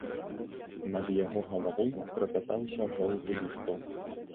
Над яго галавой трапятаўся жоўты лісток.